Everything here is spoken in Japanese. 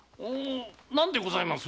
何でございます？